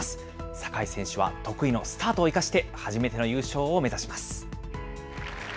坂井選手は得意のスタートを生かして、初めての優勝を目指します。